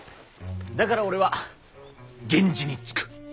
だから俺は源氏につく。